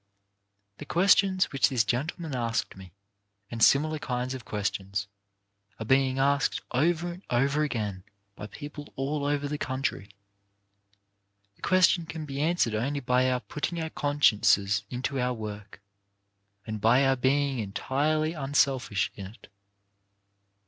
168 CHARACTER BUILDING The questions which this gentleman asked me, and similar kinds of questions, are being asked over and over again by people all over the country. The question can be answered only by our putting our consciences into our work, and by our being entirely unselfish in it.